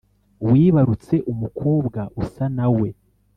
Wibarutse umukobwa usa nawee